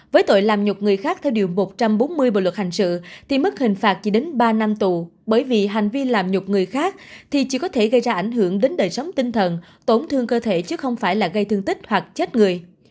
với tội làm nhục người khác theo điều một trăm bốn mươi bộ luật hình sự thì mức hình phạt chỉ đến ba năm tù bởi vì hành vi làm nhục người khác thì chỉ có thể gây ra ảnh hưởng đến đời sống tinh thần tổn thương cơ thể chứ không phải là gây thương tích hoặc chết người